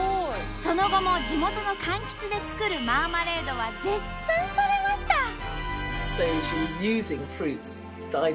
その後も地元のかんきつで作るマーマレードは絶賛されました。